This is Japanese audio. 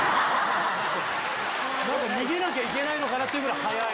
逃げなきゃいけないのかなっていうぐらい速い。